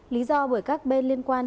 lý do bởi các bên liên quan